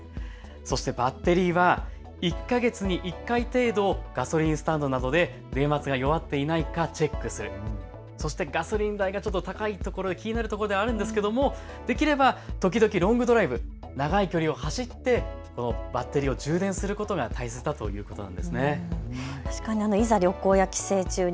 そしてバッテリーは１か月に１回程度、ガソリンスタンドなどで電圧が弱っていないかチェックする、そしてガソリン代がちょっと高いのは気になるところではあるんですけども、できれば時々ロングドライブ、長い距離を走ってこのバッテリーを充電することが大切だということなんですね。